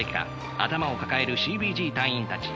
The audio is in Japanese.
頭を抱えるＣＢＧ隊員たち。